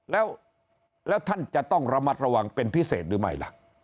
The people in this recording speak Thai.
แล้วท่านจะต้องระมัดระวังเป็นพิเศษหรือไม่ล่ะ